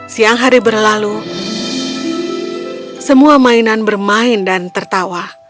siang hari berlalu semua mainan bermain dan tertawa